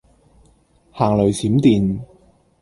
行雷閃電